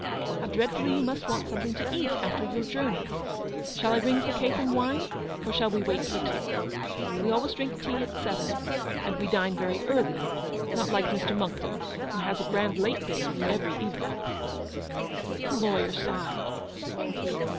How dreadfully you must want something to eat after your journey ! Shall I ring for cake and wine, or shall we wait for tea ? "We always drink tea at seven, and we dine very early; not like Mr. Monckton, who has a grand late dinner every evening." 256 ELEANOR'S VICTORY. The lawyer sighed.